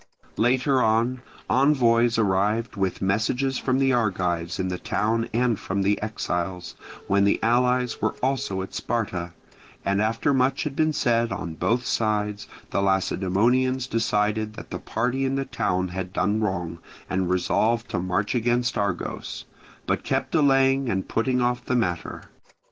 Later on, envoys arrived with messages from the Argives in the town and from the exiles, when the allies were also at Sparta; and after much had been said on both sides, the Lacedaemonians decided that the party in the town had done wrong, and resolved to march against Argos, but kept delaying and putting off the matter.